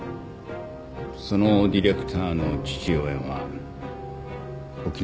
そのディレクターの父親は沖野島晃三